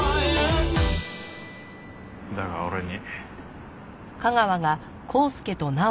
だが俺に。